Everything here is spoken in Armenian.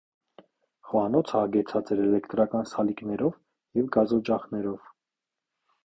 Խոհանոցը հագեցած էր էլեկտրական սալիկներով և գազօջախներով։